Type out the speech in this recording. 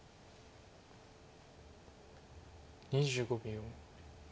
２５秒。